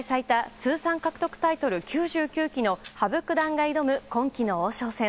通算獲得タイトル９９期の羽生九段が挑む今期の王将戦。